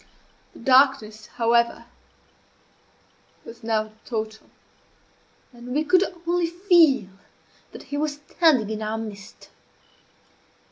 The darkness, however, was now total; and we could only feel that he was standing in our midst.